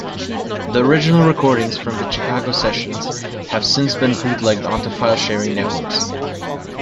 The original recordings from the Chicago sessions have since been bootlegged onto filesharing networks.